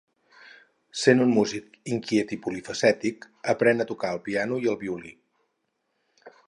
Sent un músic inquiet i polifacètic, aprèn a tocar el piano i el violí.